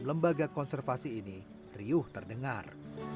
lembaga konservasi ini riuh terdengar